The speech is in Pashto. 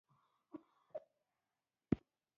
خپل وطن بلبل وطن